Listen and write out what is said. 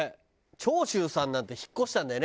長州さんなんて引っ越したんだよね